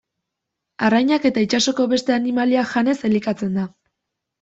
Arrainak eta itsasoko beste animaliak janez elikatzen da.